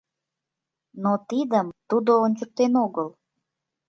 Но тидым Тудо ончыктен огыл.